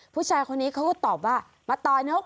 ผู้ชายคนนี้เขาก็ตอบว่ามาต่อยนก